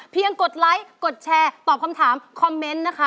เพียงกดไลค์กดแชร์ตอบคำถามคอมเมนต์